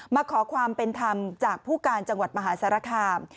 มาขอความเป็นธรรมจากผู้การจังหวัดมหาสารคาม